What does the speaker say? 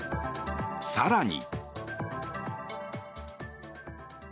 更に。